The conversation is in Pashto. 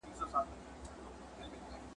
فال ختلئ می رښتیا دئ، غم ګساره ګوندي را سې